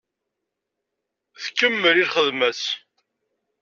Tkemmel i lxedma-s.